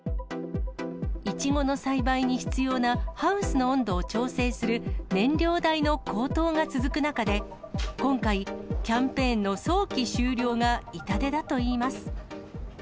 いちごの栽培に必要なハウスの温度を調整する燃料代の高騰が続く中で、今回、キャンペーンの早期終了が痛手だといいます。